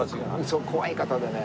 そう怖い方でね。